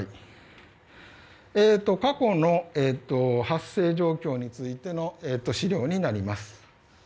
過去の発生状況についての資料になります。